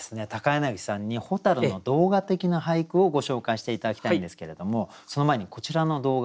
柳さんに蛍の動画的な俳句をご紹介して頂きたいんですけれどもその前にこちらの動画をご覧下さい。